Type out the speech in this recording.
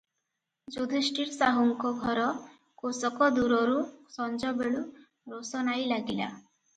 ଯୁଧିଷ୍ଠିର ସାହୁଙ୍କ ଘର କୋଶକ ଦୂରରୁ ସଞବେଳୁ ରୋଷନାଈ ଲାଗିଲା ।